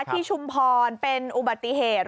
ชุมพรเป็นอุบัติเหตุ